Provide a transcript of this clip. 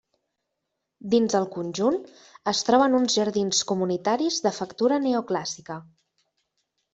Dins el conjunt es troben uns jardins comunitaris de factura neoclàssica.